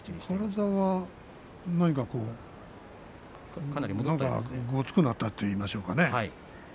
体が何かごつくなったといいましょうかね。